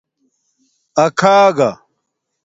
اکھاگہ